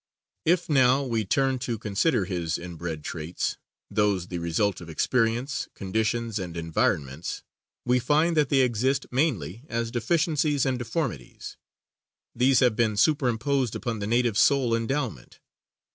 If, now, we turn to consider his inbred traits, those the result of experience, conditions and environments, we find that they exist mainly as deficiencies and deformities. These have been superimposed upon the native soul endowment.